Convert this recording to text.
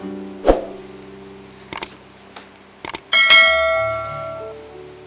dia kepulang tempat rambut